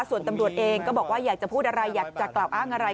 ส่วนตำรวจเองก็บอกว่าอยากจะพูดอะไรอยากจะกล่าวอ้างอะไร